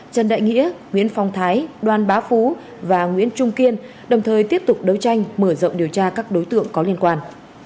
trần đại nghĩa nguyễn phong thái đoàn bá phú và nguyễn trung kiên đồng thời tiếp tục đấu tranh mở rộng điều tra các đối tượng có liên quan